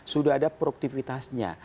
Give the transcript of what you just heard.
sudah ada produktivitasnya